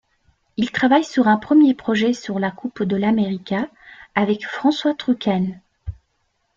Il travaille sur un premier projet sur la Coupe de l'America avec François Troukens.